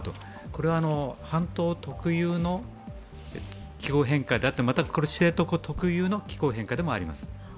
これは半島特有の気候変化であって、また知床特有の気候変化でもあります。